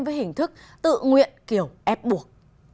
với hình thức tự nguyện kiểu ép buộc